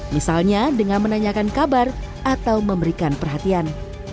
misalnya dengan menanyakan kabar atau memberikan perhatian